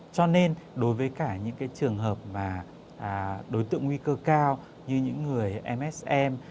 cho nên đối với cả những trường hợp đối tượng nguy cơ cao như những người msm